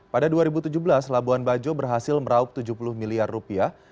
pada dua ribu tujuh belas labuan bajo berhasil meraup tujuh puluh miliar rupiah